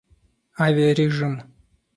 Авиарежим